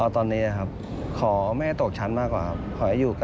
ต้องกลับมามากคุม